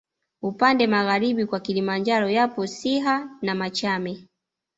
Upande magharibi kwa Kilimanjaro yapo Siha na Machame